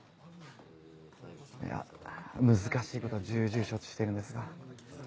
いや難しい事は重々承知しているんですが。